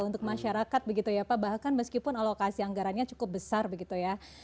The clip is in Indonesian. untuk masyarakat begitu ya pak bahkan meskipun alokasi anggarannya cukup besar begitu ya